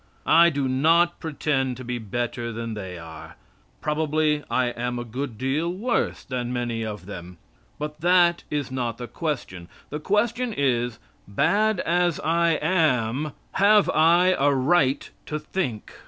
I do not pretend to be better than the are. Probably I am a good deal worse than many of them, but that is not the question. The question is "Bad as I am, have I a right to think?"